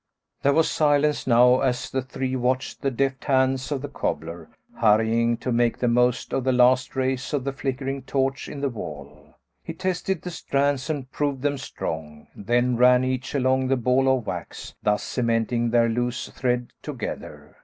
There was silence now as the three watched the deft hands of the cobbler, hurrying to make the most of the last rays of the flickering torch in the wall. He tested the strands and proved them strong, then ran each along the ball of wax, thus cementing their loose thread together.